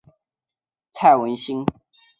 祖父蔡文兴。